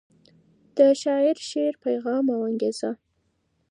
د شاعر د شعر پیغام او انګیزه